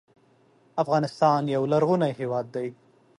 افغانستان یو لرغونی هېواد دی.